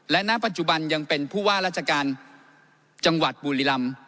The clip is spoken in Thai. และณปัจจุบันยังเป็นผู้ว่าราชการจังหวัดบุรีรำ